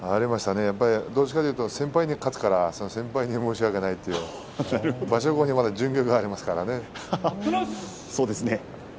どちらかというと先輩に勝つから先輩に申し訳ないという場所後にまた巡業がありますからね。